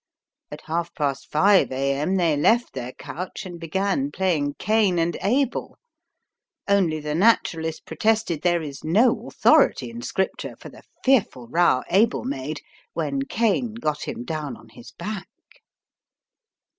At half past five a.m. they left their couch and began playing Cain and Abel. Only the Naturalist protested there is no authority in Scripture for the fearful row Abel made when Cain got him down on his back.